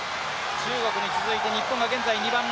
中国に続いて、日本が２番目。